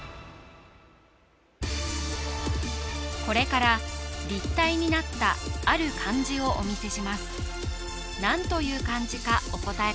これから立体になったある漢字をお見せしますお答え